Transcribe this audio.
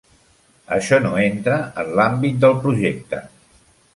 Això no entra en l'àmbit del projecte.